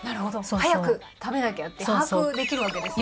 早く食べなきゃって把握できるわけですね。